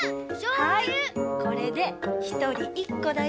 はいこれでひとりいっこだよ。